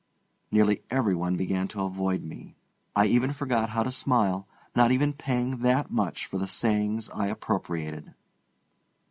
Nearly every one began to avoid me. I even forgot how to smile, not even paying that much for the sayings I appropriated.